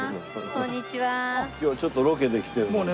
今日ちょっとロケで来てるんです。